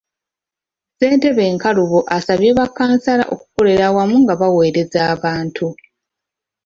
Ssentebe Nkalubo asabye bakkansala okukolera awamu nga baweereza abantu.